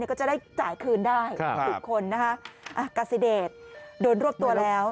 ก็จะได้จ่ายคืนได้ทุกคนนะคะกาซิเดชโดนรวบตัวแล้ว